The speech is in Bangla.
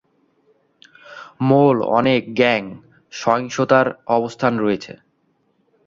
মোল অনেক গ্যাং সহিংসতার অবস্থান হয়েছে।